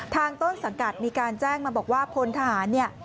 ทางต้นสังกัดมีการแจ้งมันบอกว่าพลทหาร